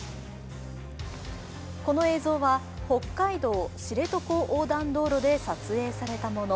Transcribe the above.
この映像は、北海道・知床横断道路で撮影されたもの。